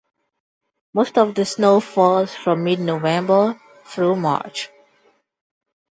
Most of the snow falls from mid-November through March.